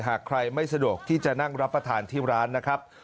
หากใครไม่สะดวกที่จะนั่งรับประทานที่ร้านนะครับ